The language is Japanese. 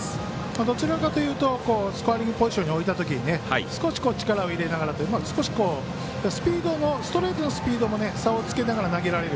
どちらかというとスコアリングポジションに置いたときに少し力を入れながらというかストレートのスピードも差をつけながら投げられる。